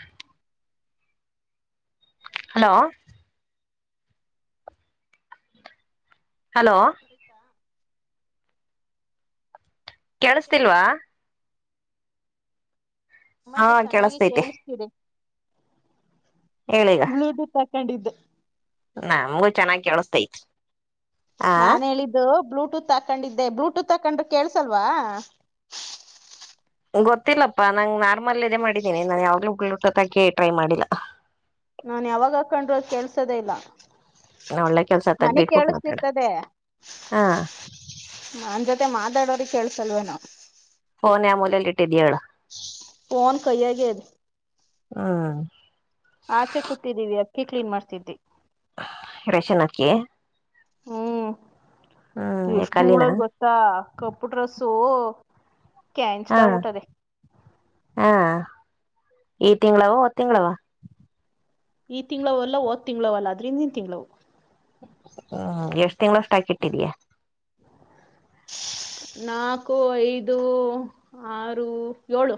ಹಮ್ [unintelligible] hello hello ಕೇಳಸ್ತಿಲ್ವಾ. ಹಾ ನಮಗೆ ಚೆನ್ನಾಗೆ ಕೇಳಸ್ತೈತೆ ಕೇಳಸ್ತಿದೆ. ಹೇಳೀಗ ಬ್ಲೂಟೂತ್ ಹಾಕೊಂಡಿದ್ದೆ. ನಮಗೂ ಚೆನ್ನಾಗ ಕೇಳಸ್ತೈತಿ. ಆ ನಾನ್ ಹೇಳಿದ್ದು ಬ್ಲೂ ಬ್ೂಟೂತ್ ಹಾಕೊಂಡಿದ್ದೆ ಬ್ಲೂಟೂತ್ ಹಾಕೊಂಡ್ರು ಕೇಳಸಲ್ವಾ ಗೊತ್ತಿಲ್ಲಪ್ಪಾ ನಂಗ್ ನಾರ್ಮಲ್ ಇದದೆ ಮಾಡಿದ್ದೀನಿ ನಾನನ್ ಯಾವಲೂ ಹುಳ ಹಟ್ಟತ್ ಹಾಕಿ ಟ್ರೈ ಮಾಡಿಲ್ಲ ನಾು ಯಾವಾಗ ಹ ಕಂಡ್ರೂ ಕೆಲ್ಸದೇ ಇಲ್ಲ ಒಳ್ಳೆ ಕೆಲ್ಸ ನನಗ್ ತೆಗ್ದಿಟ್ಬಿಟ್ಟು ಮಾತಾಡ ಕೇಳಸ್ತಿರ್ತದೆ ಹಾ ನನ್ ಜೊತೆ ಮಾತಾಡೋ್ರ ಕೇಳಸಲ್ವೇನು ಫೋನ್ ಯ ಮೂಲೆಯಲ್ಲಿ ಇಟ್ಟಿದ್ದೀ ಹೇಳ ಫೋನ್ ಕೆ ಗದ ಹ್ಮ್ ಆಚೆ ಕೂತಿದ್ದೀವಿ ಅಕ್ಕಿ ಕ್ಲೀನ್ ಮಾಡ್ತಿದಿದ್ದಿ ರಶನಕ್ಕೆ ಹ್ಮ್ ಎಷ್ಟ ಕಲ್ಲಿನ ಉೂಳದ್ ಗೊತ್ತಾ ಕಪ್ಪು ಡ್ರಸ್ಸು ಕ್ಯಾ ಇಂಚ ಹಾ ಕ ಊಟದೆ ಹಾ ಈ ತಿಂಗಳಾವ ಒ ತಿಂಗಳಾವ ಈ ತಿಂಗಳವಲ್ಲ ಹೋದ್ ತಿಂಗಳವಲ್ಲ ಅದ್ರಿಂದಿನ ತಿಂಗಳವು ಹ್ಮ್ ಎಷ್ಟ್ ತಿಂಗ್ಳಷ್ಟ ಹಾಕಿಟ್ಟಿದ್ಯಾ ನಾಕು ಐದು ಆರು ಏಳು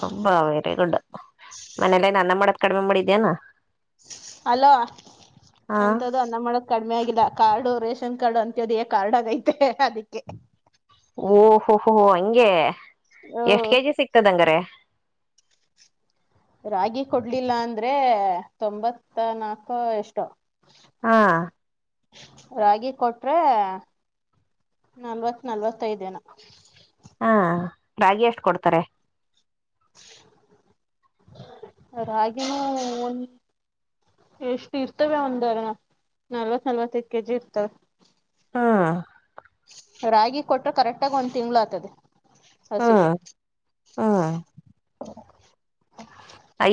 ಹಬ್ಬಾ ವೆರಿ ಗುಡ್ ಮನೇಲ್ಲೇ ನನ್ನ ಮಾಡದ ಕಡಿಮೆ ಮಾಡಿದ್ಯಾನ ಅಲೋ ಹಾ ಎಂತ್ದು ಅನ್ನ ಮಾಡಕ್ ಕಡಿಮೆ ಆಗಿಲ್ಲ ಕಾರ್ಡು ರೇಷನ್ ಕಾರ್ಡು ಅಂತದ ಕಾರ್ಡ್ ಆಗೈತೆ ಅದಿಕ್ಕೆ ಓಹೋಹೋಹ ಹಂಗೆ ಹ್ಮ್ ಎಷ್ಟ್ ಕೆಜಿ ಸಿಕ್ತದಂಗ್ರ ರಾಗಿ ಕೊಡ್ಲಿಲ್ಲ ಅಂದ್ರೆ ತೊಂಬತ್ತ ನಾಕು ಎಷ್ಟು ಹಾ ರಾಗಿ ಕೊಟ್ರೆ ನಲ್ವತ್ ನಲ್ವತ್ತೈದನ ಹಾ ರಾಗಿ ಎಷ್ಟು ಕೊಡ್ತಾರೆ ರಾಗಿನೂ ಒನ್ ಎಷ್ಟು ಇರ್ತವೆ ಒಂದ ನಲ್ವತ್ ನಲ್ವತ್ತೈದು ಕೆಜಿ ಇರ್ತವೆ ಹಾ ರಾಗಿ ಕೊಟ್ರೆ ಕರೆಕ್ಟಾಗಿ ಒಂದ್ ತಿಂಳ ಆಗ್ತದೆ ಹ್ಮ್ ಹಸಿಕ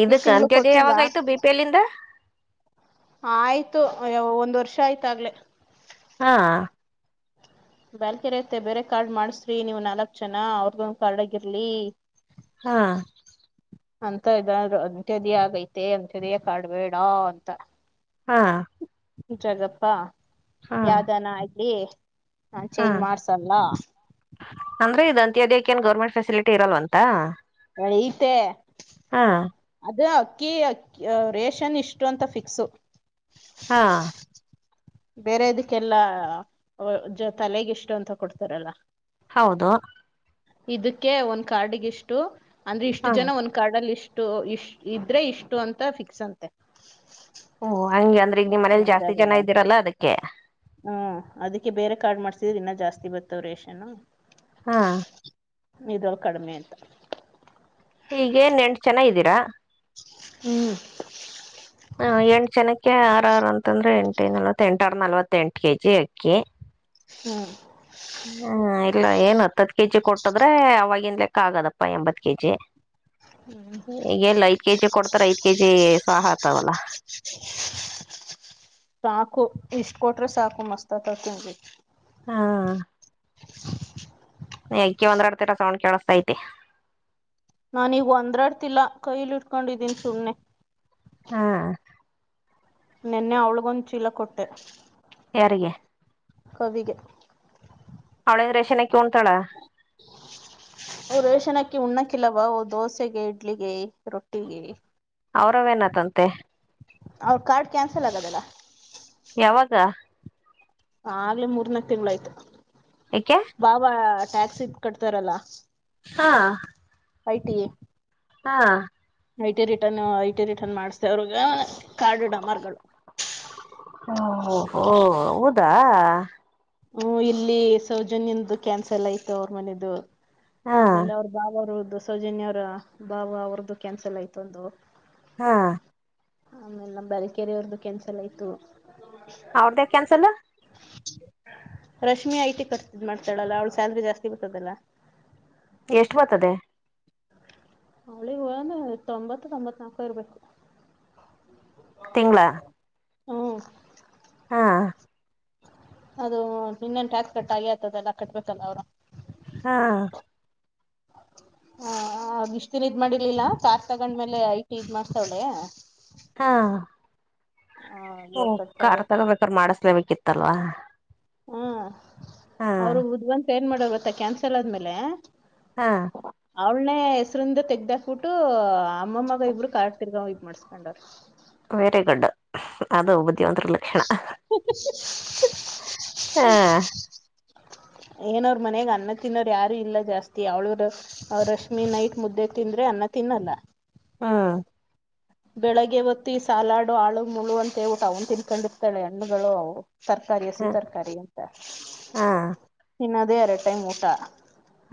ಇದಕ್ಕ ತಿಂಗ್ಳು ಅಂತ್ಯದ ಕೊಟ್ಟಿಲ್ಲ ಯಾವಾಗಯ್ತು ಬಿ ಪಿಲ್ಲಿಂದ ಹ ಆಯ್ತು ಒಂದ್ ವರ್ಷ ಆಯ್ತ ಆಾಗ್ಲೆೇ ಹಾ ಬ್ಯಾಲ್ಕೆರೆ ಐತೆ ಬೇರೆ ಕಾರ್ಡ್ ಮಾಡಸ್ರಿ ನೀವು್ ನಾಲ್ಕ್ ಜನ ಅವ್ರಗೊಂದ ಕಾರ್ಡ್ ಆಗಿರ್ಲಿ ಹಾ ಅಂತ ಇದಾದ್ರು ಅಂತ್ಯದಿ ಆಗೈತೆ ಅಂತ್ಯದಿಯ ಕಾಡ್ಬೇಡ ಅಂತ ಹಾ ಜಗಪ್ಪಾ ಹಾ ಯಾವ್ದನ ಆಗ್ಲಿ ಹಾ ಚೇಂಜ್ ಮಾಡ್ಸಲ್ಲ ಅತ್ಯದಿ ನ್ ಗೌರ್ಮೆಟ್ ಫೆಸಿಲಿಟಿರಲ್ ಅಂತ ತೆ ಅದು ಅಕ್ಕಿ ಅಕ್ಕಿ ರೇಷನ್ ಇಷ್ಟು ಅಂತ ಫಿಕ್ಸು ಹಾ ಬೇರೆ ಅದಕ್ಕೆಲ್ಲಾ ತಲೆಗೆಿಷ್ಟು ಅಂತ ಕೊಡ್ತಾರಲ್ಲ ಹೌದು ಇದಕ್ಕೆ ಒಂದ್ ಕಾರ್ಡ್ಗ ಇಷ್ಟು ಅಂದ್ರೆ ಇಷ್ಟು ಹಾ ಜನ ಒಂದ್ ಕಾರ್ಡ್ ಅಲ್ಲಿ ಇಷ್ಟು ಇಷ್ಟು ಇಷ್ಟ ಇದ್ರೆ ಇಷ್ಟು ಅಂತ ಫಿಕ್ಸ್ ಅಂತೆ ಓ ಹಂಗಗೆ ಅಂದ್ರೆ ಈಗ ನಿ್ ಮನೇಲಿ ಜಾಸ್ತಿ ಜನ ಇದ್ದೀರಲ್ಲಾ ಅದಕ್ಕೆ ಹ್ಮ ಅದಕ್ಕೆ ಬೇರೆ ಕಾರ್ಡ್ ಮಾಡ್ಸಿದ್ರೆ ಇನ್ನ ಜಾಸ್ತಿ ಬತಾವ್ ರೇಷನ್ ಹಾ ನೀದುೋ ಕಡಿಮೆಂತ ಹಗೇನ್ ನೆಂಟು ಜನ ಇದ್ದೀರಾ ಹ್ಮ್ ಅಕ್ಕಿ ಆರಾರು ಅಂತಂದ್ರೆ ಎಂಟ ನಲವತ್ತ ಎಂಟರ ನಲ್ವತ್ತೆಂಟು ಕೆಜಿ ಅಕ್ಕಿ ಹ್ಮ್ ಹ್ಮ್ ಇಲ್ಲ ಏನ್ ಹತ್ತತ್ ಕೆಜಿ ಕೊಟ್ಟದ್ರೆ ಅವವಾಗಿನ್ಲೆಕ್ಕ ಆಗದಪ್ಪ ಎಂಬತ್ ಕೆಜಿ ಈಗೆಲ್ಲ ಐದ್ ಕೆಜಿ ಕೊಡ್ತಾರ ಐದ್ ಕೆಜಿ ಸಾಕತವಲ್ಲ ಸಾಕು ಇಷ್ಟ ಕೊಟ್ರೆ ಸಾಕು ಮಸ್ತ್ ಆತತನ್ ಹಾ ಅಾಕ ಒಂದ್ ಎಡ್ ತರ ಸವಣ್ ಕೇಳಸ್ತತೆ ನಾನೀಗ ಅಂದ್ರಾಡ್ತಿಲ್ಲ ಕೈಲಿ ಇಟ್ಕೊಂಡಿದ್ದೀನಿ ಸುಮ್ಮ್ನೆ ಹಾ ನೆನ್ನೆ ಅವ್ಳಗೊಂದು ಚೀಲ ಕೊಟ್ಟೆ ಯಾರಿಗೆ ಕವಿಗೆ ಅವಳಂದ್ರೆಷನ ಕ ಉಂಟಾಳ ಶನಕಿ ಉಣ್ಣಕ್ಕಿಲ್ಲವಾ ದೋಸೆಗೆ ಇಡ್ಲಿಗೆ ರೊಟ್ಟಿಗೆ ಅವ್ರವೇನತಂತೆ ಅವ್ರ ಕಾರ್ಡ್ ಕ್ಯಾನ್ಸಲ್ ಆಗದಲ್ಲ ಯಾವಾಗ ಆಗ್ಲೆೇ ಮೂರ್ನಾಕ್ ತಿಂಳ ಆಯ್ತು ಏಕೆ ಬಾಬಾ ಟ್ಯಾಕ್ಸಿ ಕಟ್ತಾರಲ್ಲ ಹಾ ಐಟಿ ಹಾ I T return I T return ಮಾಡ್ಸತೆ ಅವ್ರಗ ಕಾರ್ಡ್ ಡಮಾರ್ಗಳು ಹಹೋ ಹೌದಾ ಹ್ಮ ಇಲ್ಲಿ ಸೌಜನ್ಯ್ದ ಕ್ಯಾನ್ಸಲ್ ಆಯ್ತು ಅವ್ರ ಮನೆದು ಹಾ ಆಮೇಲೆ ಅವ್ರ ಬಾವ ಅವ್ರದ್ದು ಸೌಜನ್ಯವರ ಬಾವ ಅವ್ರದ್ದು ಕ್ಯಾನ್ಸಲ್ ಆಯ್ತು ಒಂದು ಹಾ ಆಮೇಲೆ ಬರ ಕೆರೆಯವ್ರ್ದು ಕೆನ್ಸಲ್ ಆಯ್ತು ಅವರ್ದೇಕೆ cancel Rashmi I T course ಮಾಡ್ತಾಳಲ್ಲ ಅವಳು ಸ್ಯಾಲ್ರಿ ಜಾಸ್ತಿ ಬರ್ತದಲ್ಲ ಎಷ್ಟು ಬರ್ತದೆ ಅವಳಿಗೆ ಒಂದ ತೊಂಬತ್ತು ತೊಂಬತ್ ನಾಕ ಇರ್ಬೇಕು ತಿಂಗಳ ಹ್ಮ್ ಹಾ ಅದು ಇನ್ನನ್ ಟ್ಯಾಕ್ಸ್ ಕಟ್ಟಾಗೆ ಆತದೆಲ್ಲ ಕಟ್ಬೇಕಲ್ಲ ಅವರು ಹಾ ಹ ಇಷ್ಟತನ್ ಇದ್ ಮಾಡಿರ್ಲಿಲ್ಲ ಕಾರ್ ತಗೊಂಡ್ಮೇಲೆ ಐಟಿ ಇದ್ ಮಾಡ್ತಾವಳೆ ಹಾ ಹ ಹ್ಮ ಇವಾಗ ಕಾರ್ ಕಟ್ಟಾಗ ತಗೋಬೇಕ್ರ ಮಾಡಸ್ಲೇಬೇಕಿತ್ತಲ್ವಾ ಹ್ಮ ಹಾ ಅವರು ಬುದ್ಧಿವಂತ ಏನ್ ಮಾಡೋ ಬತ್ತ ಕ್ಯಾನ್ಸಲ್ ಆದ್ಮೇಲೆ ಹಾ ಒ ಹೆಸರಿಂದ ತೆಗ್ದಾಕ್ಬಿಟ್ಟು ಅಮ್ಮಮ್ಮಗ ಇಬ್ಬರು ಕಾಡ್ ತಿರ್ಗಾವ ಇದ ಮಾಡ್ಸ್ಕೊಂಡರು ವೆರಿ ಗುಡ್ಡ್ ಅದು ಉ ಒಂದರ ಲಕ್ಷಣ ಹಾ ಏನೋ ಅವರ ಮನಾಗ ಅನ್ನ ತಿನ್ನೋರು ಯಾರು ಇಲ್ಲ ಜಾಸ್ತಿ ಅವ್ಳವರ ರಶ್ಮಿ ನೈಟ್ ಮುದ್ದೆ ತಿಂದ್ರೆ ಅನ್ನ ತಿನ್ನಲ್ಲ ಹ್ಮ ಬೆಳಿಗ್ಗೆ ಹೊತ್ತು ಈ ಸಾಲಾಡು ಆಳು ಮುಳು ಅಂತೇ ಊಟ ಅವನು ತಿನ್ಕೊಂಡಿರ್ತಾಳೆ ಹಣ್ಣುಗಳು ಅವು ತರಕಾರಿ ಹಸಿ ಹ ತರಕಾರಿ ಅಂತ ಹಾ ಇನ್ನದೇ ಎರಡು ಟೈಮ್ ಊಟ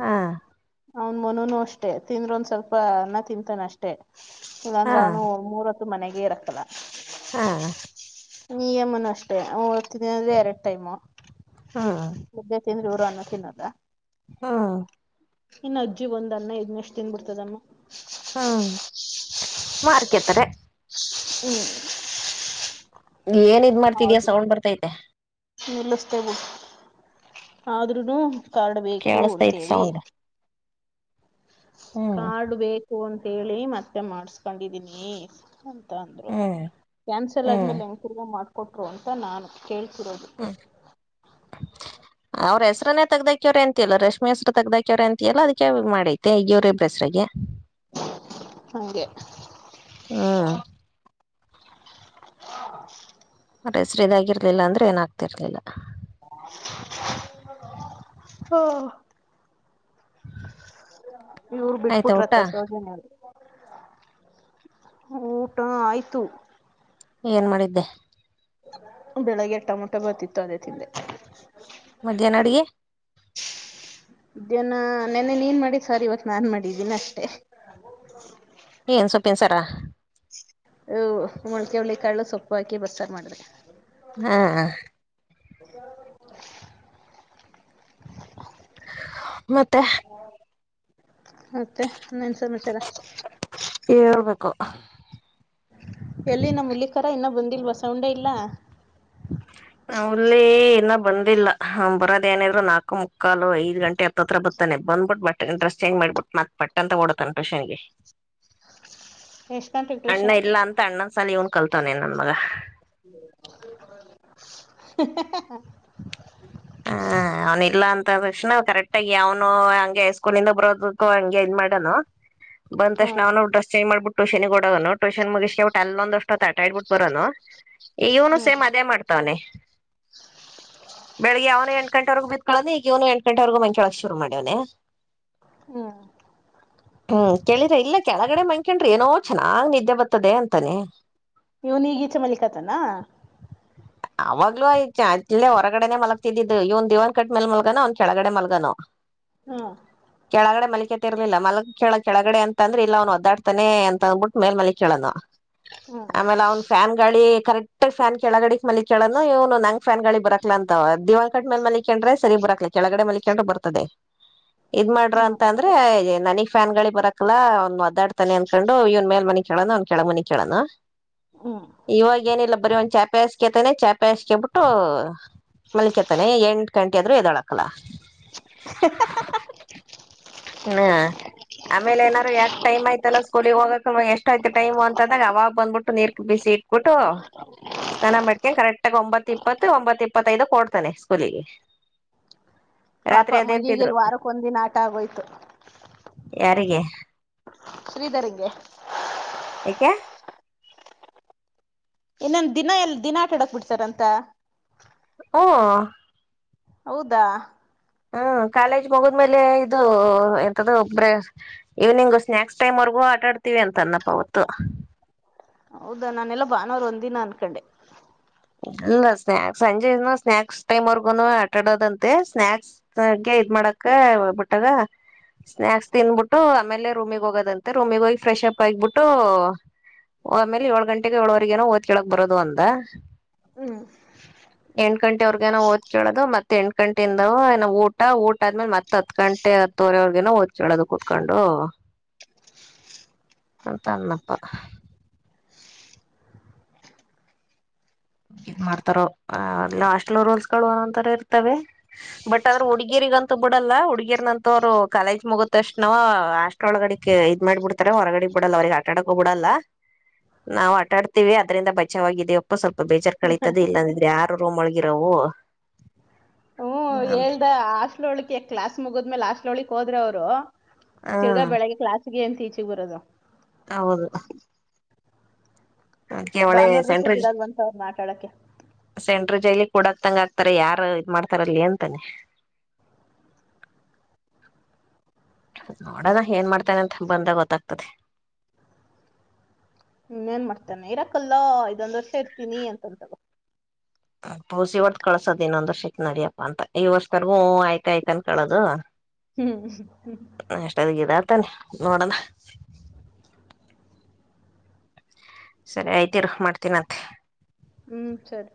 ಹಾ ಅವನ್ ಮನನು ಅಷ್ಟೇ ತಿಂದ್ರ ಒಂದ್ ಸ್ವಲ್ಪ ಅನ್ನ ತಿಂತಾನ ಅಷ್ಟೇ ಹಾ ಮೂವತ್ತು ಮನೆಗೆ ಇರಕ್ತಲ್ಲ ಹಾ ಎಮನ್ ಅಷ್ಟೇ ಓದ್ತೀನಿ ಅಂದ್ರೆ ಎರಡು ಟೈಮ್ ಹಾ ತಿಿಂದ್ರಿ ಊರು ಅನ್ನೋ ತಿನ್ನದ ಹಾ ಇನ್ನು ಅಜ್ಜಿ ಒಂದ ಅನ್ನ ಇದದ್ನಷ್ಟು ತಿಂದನ್ ಬಿಡ್ತದನ್ನು ಹ್ಮ್ ಮಾರ್ಕೇತಾರೆ ಏನ್ ಇದ್ ಮಾಡ್ತಿದಯಾ ಸೌಂಡ್ ಬರ್ತೈತೆ ನಿಲ್ಲಸ್ತೇವೆ ಆದ್ರೂನು ಕಾಡ್ಬೇಕು ಕೇಳಸ್ತೈತಿ ಅಂತೇಳಿ ಸೌಂಡ್ ಹ್ಮ್ ಕಾರ್ಡ್ ಬೇಕು ಅಂತ ಹೇಳಿ ಮತ್ತೆ ಮಾಡಸ್ಕೊಂಡಿದೀನಿ ಅಂದ್ರು ಹ್ಮ್ ಕ್ಯಾನ್ಸಲ್ ಹ್ಮ್ ಆದ್ಮೇಲೆ ಹೆಂಗ ತಿಗ ಮಾಡ್ಕೊಟ್ರು ಅಂತ ನಾನ್ ಕೇ ಹ್ಮ್ ಅವ್ರ ಹೆಸರನ್ನೇ ತಗ್ದ ಕ್ಯವರೆ ಎಂತಲ್ಲ ರಶ್ಮಿ ಹೆಸ್ರ ತಗ್ದಾಕ್ಯವರ ಎಂತ ಅಲ್ಲ ಅದಕ್ಕೆ ಮಾಡೈತೆ ಈಗಿಯವರಿಬ್ ಹೆಸ್ರಗೆ ಹೆ ಹ್ಮ್ ಹ ಹೆಸರು ಇದಾಗಿರ್ಲಿಲ್ಲ ಅಂದ್ರೆ ಏನಾಗ ಆ್ತರ್ಲಿಲ್ಲ ಹಓ ಇವ್ರ ಆಯ್ತಾ ಊಟ ಬಿಟ್ಬಿಟ್ರತ್ತ ಸೌಜನ್ಯಲ್ ಊಟ ಆಯ್ತು ಏನ್ ಮಾಡಿದ್ದೆ ಬೆಳಿಗ್ಗೆ ಟೊಮೊಟೊ ಬಾತ್ ಇತ್ತು ಅದೇ ತಿಂದೆ ಮಧ್ಯಾಹ್ನ ಅಡಿಗೆ ಇದ್ಯಾನ ನೆನ್ನ ನೀನ್ ಮಾಡಿದ ಸಾರ್ ಇವತ್ತು ನಾನ್ ಮಾಡಿದ್ದೀನಿ ಅಷ್ಟೆ ಏನ್ ಸೊಪ್ಪನ್ ಸಾ ರಾ ಅ ಮೊಳ್ಕೆ ಹಳಿ ಕಳ್ಳು ಸೊಪ್ಪು ಹಾಕಿ ಬರ್ಸಾರ್ ಮಾಡ್ರ ಹ್ಮ ಹ ಮತ್ತೆ ಮತ್ತೆ ನನ್ ಸಮಾಚಾರ ಹೇಳ್ಬೇಕು ಎಲ್ಲಿನ ಮುಲ್ಲಿಕರ ಇನ್ನೂ ಬಂದಿಲ್ ಬಸೌಂಡೇ ಇಲ್ಲ ನಲ್ಲೇ ಇ ಬಂದಿಲ್ಲ ಬರದೇನಿದ್ ನಲ್ಕು ಮುಕ್ಕಾಲು ಐದ ಗಂಟೆ ಹತ್ತತ್ರ ಬರ್ನೆ ಬ್ಬಿಟ್ಟ ಬಟ್ ಇಂಟ್ರೆಸ್ಟ್ ಚೇಂಗ್ ಮಾಡ್ಬಿಟ್ಟು ಮತ್ತತ್ ಪಟ್ಟ ಅಂತ ಓಡತಾನ ಟ್ಯೂಷನ್ಗೆ ಎಷ್ಟ್ ಗಂಟೆಗ್ ಅಣ್ಣ ಟ್ಯೂಷನ್ ಇಲ್ಲ ಅಂತ ಅಣ್ಣನ್ ಸಲ ಇವ್ನ್ ಕಲ್ತವನೇ ನನ್ ಮಗ [unintelligible] [inaudible] ಹ್ಮ ಅವನಲ್ಲಾ ಅಂತ ತಕ್ಷಣ ಕರೆಕ್ಟ್ ಆಗಿ ಅವಾವನು ಹಂಗೆ ಸ್ಕೂಲ್ಂದ ಬರೋದಕ್ಕೂ ಹಂಗೆ ಇನ್ ಮಾಡೋನು ಬಂದ ಹ್ಮ ತಕ್ಷ್ ನಾವ್ ಡ್ರಸ್ ಚಂಜ್ ಮಾಡ್ಬಿಟ್ಟು ಟೂಷನಿಗೆ ಕೊಡಗನು ಟೂನ್ ಮುಗ್ಕಿಟ್ಟ ಅಲ್ಲೊಂದಷ್ಟೊ ತಟ ಆ ಇಡ್ಬಿಟ್ಟ ಬರೋನು ಇವನು ಹ್ಮ್ ಸೇಮ್ ಅದೇ ಮಾಡ್ತವನೆೆ ಬೆಳಗ್ಗೆವನನೆ ಎಂಟಂಟೆರೆಗೂ ಬಿತ್ಕಳೊಂಡೆ ಈಗ ಇವನ ಎಂ ಗಂಟವರೆಗಂಚೊಳ ಶುರು ಮಾಡ್ಯವನೆ ಹ್ಮ್ ಹ್ಮ್ ಕೇಳ್ರ ಇಲ್ಲ ಕೆಳಗಡೆ ಮಂಕಂಡ್ರಿ ಏನೋ ಚೆನ್ನಾಗ್ ನಿದ್ದೆ ಬರ್ತದೆ ಅಂತಾನೆ ಇವನ ಈಗೀಚೆ ಮಲ್ಲಿಕತಾನ ಅವಾಗ್ಲೂಹೊರಗಡೆನೆ ಮಲಗ್ತಿದ್ದು ಇವನ್ ದಿವನ್ ಕಟ್ಲೆ ಮಲ್ಗಾನ ಒಂದ್ ಕೆಳಗಡೆ ಮಲ್ಗಾನ ಹ್ಮ ಕೆಳಗಡೆ ಮಲಿಕೆತಿರ್ಲಿಲ್ಲ ಮಲ್ಗ್ ಕೇಳೋ ಕೆಳಗಡೆ ಅಂತ ಅಂದ್ರೆ ಇಲ್ಲ ಅವನು ಒದಾಡ್ತಾನೆ ಅಂತಂದಬಿಟ್ಟು ಮೇಲ್ ಮಲಿ ಕೇಳೋ ಹ್ಮ್ ಆಮೇಲೆ ಅವ್ನ್ ಫ್ಯಾನ್ ಗಳಿ ಕರೆಕ್ಟ್ ಫ್ಯಾನ್ ಕೆಳಗಡೆಕ್ ಮ ಕೇಳನು ಇವನು ನಂಗ್ ಫ್ಯಾನ್ ಗಳಿ ಬರಾಕ್ಲ ಅಂತ ದಿವಾಕಟ್ ಮೇಲ್ ಮಲಕೊಂಡ್ರೆ ಸರಿ ಬರಕ್ಲ ಕೆಳಗಡೆ ಮಲಕೊಂಡ್ರೆ ಬರ್ತದೆ ಇದ್ ಮಾಡ್ರ ಹ್ಮ್ ಅಂತ ಅಂದ್ರೆ ನನಗ್ ಫ್ಯಾನ್ ಗಳಿ ಬರಕಲ್ಲ ಒ ಒದ್ದಾಡ್ತಾನೆ ಅಂದಕೊಂಡು ಇವನ್ ಮೇಲ್ ಮನೆ ಒಂದ್ ಕೆಳ ಮುನಿ ಕೇಳೋನು ಹ್ಮ್ ಇವಾಗ ಏನಿಲ್ಲ ಬರರಿ ಒಂದ್ ಚಾಪೆ ಹಸ್ಕೇತಾನನೆ ಚಾಪೆ ಬೇಸ್ಕಬಿಟ್ಟು ಮಲ್ಕತಾನೆ ಎಂಟು ಗಂಟೆ ಆದ್ರೂ ಎದಳಕಲ್ಲ [inaudible] ಹ್ಮ ಆಮೇಲೆ ಏನಾರು ಯಾಕ್ ಟೈಯತಲ್ಲ ಸ್ಕಲಲಿ ಹೋಗಕ್ ಎಷ್ಟ ಆಯ್ತ ಟೈಮ್ ಅಂದಾಗ ಅವಾಗ ಬಂದ್ಬಿಟ್ಟು ನೀರ್ ಬಿಸಿ ಇಟ್ಟುಬಿಟ್ಟು ಸ್ನಾನ ಮಾಡ್ಕ ಕರೆಕ್ಟ್ಗ ಒಂಬತ್ ಇಪ್ಪತ್ತು ಒಂಬತ್ ಇಪ್ಪತ್ತೈದು ಕೊಡ್ತಾನೆ ಸ್ಕೂಲಿಗೆ [inaudible] ಪಾಪ ಮಗಿಗಿಲ ಅದೇಂತಿದ್ರು ವಾರಕ್ಕ ಒಂದ ದಿನ ಆಟ ಆಗೋಯ್ತು ಯಾರಿಗೆ ಶ್ರೀಧರಗೆ ಏಕೆ ಇನ್ನೊಂದ ದಿನಾ ಎಲ್ ದಿನಾ ಆಟಾಡಕ್ ಬಿಡ್ಸರ್ ಅಂತ ಹ ಹೌದಾ ಹ್ಮ್ ಕಾಲೇಜ್ ಮುಗದ್್ಮೇಲೆ ಇದು ಎಂತ್ರ ಈವ್ನಿಂಗ್ ಸ್ನ್ಯಾಕ್ಸ್ ಟೈಮ್ ವರೆಗೂ ಆಟಾಡ್ತೀವಿ ಅಂತ ಅನ್ನಪ್ಪ ಅವತ್ತು ಹೌದಾ ನಾನೆಲ್ಲ ಭಾನವಾರ ಒಂದ ದಿನ ಅನ್ಕೊಂಡೆ ಇಲ್ಲ ಸ್ಯಕ್ ಸಂಜೆ ಸ್ನಾಕ್ಸ್ ಟೈಮ್ ವರ್ಗೂನು ಆಟ ಆಡೋದಂತೆ ಸ್ನಾಯಕ್ಸ್ಗೆ ಇದ ಮಾಡ ಮಕ್ಕ ಬಿಟ್ಟಗ ಸ್ನಾಯಕ್ಸ್ ತಿನ್ಬಿಟ್ಟು ಆಮೇಲೆ ರೂಮಿಗ್ ಹೋಗೋದಂತೆ ರೂಮಿಿಗೆ ಹೋಗಿ ಫ್ರೆಶ್ ಅಪ್ ಆಗಿಬಿಟ್ಟು ಆಮೇಲೆ ಏಳ ಗಂಟೆಗೆ ಏಳವರೆಗ ನೋ ಓದ್ ಕೇಳಕ್ ಬರೋದು ಅಂದ ಹ್ಮ್ ಏನ್ಕಂ ಅವ್ರಗೇನೋ ಓದ್ ಕೇಳೋದು ಮತ್ತತ್ ಎಂಟು ಗಂಟೆಯಿಂದ ಏ ಊಟ ಊಟ ಆದ್ಮೇಲೆ ಮತ್ ಹತ್ ಗಂಟೆ ಹತ್ತವ್ರ ಅವ್ರಿಗೆ ನ ಓದ್ಳೋದು ಕುತ್ಕೊಂಡು ತಂದಪ್ಪ ಇದ್ ಮಾಡ್ತಾರೋ ಅಸ್ಟ್ಲ್ ರೋಲ್ಸ್ಗಳು ಅರ ಇರ್ತವೆ ಬಟ್ ಅದ್ರ ಹುಡುಗಿರಿ ಈಗಂತೂ ಬಿಡಲ್ಲ ಹುಡ್ಗಿರ್ನಂತು ಅವ್ರು ಕಾಲೇಜ್ ಮುಗತಷ್ಟ ನವ ಆಸ್ ಒಳಗಡೆ ಇದ್ ಮಾಡಿ ಬಿಡ್ತಾರೆ ಹೊರಗಡೆ ಬಿಡಲ್ಲ ಅವ್ರರಿಗೆ ಆಟಾಡಕೂ ಬಿಡಲ್ಲ ನಾವು ಆಟಾಡ್ತೀವಿ ಅದ್ರಂದ ಬಚಾವಾಗಿದೆ ಒಪ್ಪ ಸ್ವಲ್ಪ ಸ್ ಬೇಜಾರ್ ಕಳಿತದ ಇಲ್ಲಂದಿದ್ರೆ ಯಾರ ರೂಮ್ ಒಳಗಿರವು ಹ್ಮ್ ಕೇಳ್ದ ಹಾಸ್ಟ್ಲ್ ಹೋಳಿಕ್ಕೆ ಕ್ಲಾಸ್ ಮುಗಿದ್ಮೇಲೆ ಹಾಸ್ಟ್ಲ ಹೋಳಿಕ್ ಹೋದ್ರೆ ಅವರು ತಿರುಗಾ ಬೆಳಿಗ್ಗೆ ಕ್ಲಾಸ್ ಎಂತ ಚಿಗುರದ ಹೌದು ಅದಕ್ಕೆ ಒಳೆ ಭಾನುವಾರದೊತ್ತು ಸೆಂಟ್ರ ಬಿಡಲ್ವಂತ ಅವ್ರನ್ನ ಆಟ ಆಡಕ್ಕೆ ಸೆಂಟ ಜೈಲಿ ಕೂಡಕ್ ತಂಗ ಆಕ್ತಾರ ಯಾರ ಇದ ಮಾಡ್ತಾರಲ್ಲಿ ಅಂತಾನೆ [inaudible] [unintelligible] ನೋಡಣ ಏನ್ ಮಾಡ್ತೇನೆ ಅಂತ ಬಂದಾಗ ಗೊತ್ತಾಗ್ತದೆ ಹ ಏನ್ ಮಾಡ್ತೇನೆ ಇರಕಲ್ಲ ಇದೊಂದ್ ವರ್ಷ ಇರ್ತೀನಿ ಅಂತಂತದ ಹಸ ಹೊ್ದ ಕಳ್ಸದ್ ಇನ್ನೊಂದ ವರ್ಷಕ್ಕೆ ನಡಿಯಪ್ಪ ಅಂತ ಈ ವರ್ಷದರ್ಗೂ ಆಯ್ತಾಯಯ್ತ ಅನ್ ಕೇಳೋದು ಹ್ಮ್ ಹ್ಮ್ ತ್ತ ನೋಡಣ ಸರಿ ಆಯ್ತಿರ ಮಾಡ್ತೀನಂತೆ ಹ್ಮ್ ಸರಿ